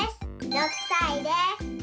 ６さいです。